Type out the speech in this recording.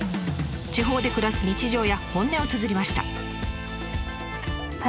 地方で暮らす日常や本音をつづりました。